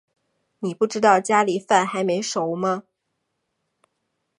妳不知道家里饭还没煮吗